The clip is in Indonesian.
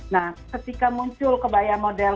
nah ketika muncul kebaya model